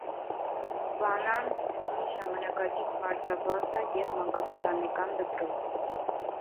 «Բանանցն» ունի ժամանակակից մարզաբազա և մանկապատանեկան դպրոց։